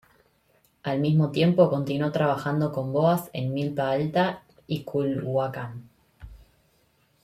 Al mismo tiempo, continuó trabajando con Boas en Milpa Alta y Culhuacán.